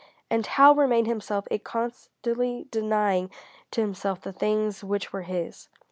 And how remain himself if constantly denying to himself the things which were his?